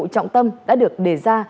vụ trọng tâm đã được đề ra